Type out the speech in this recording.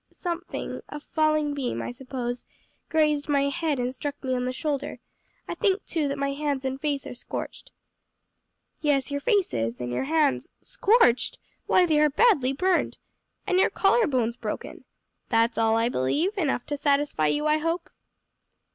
"Something a falling beam, I suppose, grazed my head and struck me on the shoulder; I think, too, that my hands and face are scorched." "Yes, your face is; and your hands scorched? why they are badly burned! And your collar bone's broken. That's all, I believe; enough to satisfy you, I hope?"